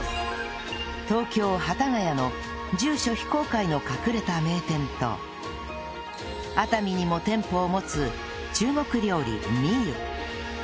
東京幡ヶ谷の住所非公開の隠れた名店と熱海にも店舗を持つ中国料理美虎